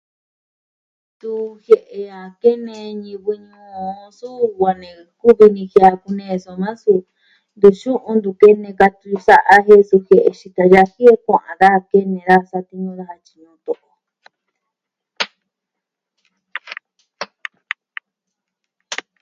Tu jie'e a kene ñivɨ ñuu o suu va nee kuvi ni jiaku nee soma suu, ntu xu'un, ntu kene katie'e sa'a jen sujiee xi. Da yaji kua'an daa kene daa, satiñu daja tyi a ntekoo.